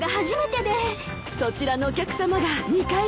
そちらのお客さまが２回目で。